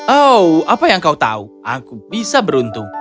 oh apa yang kau tahu aku bisa beruntung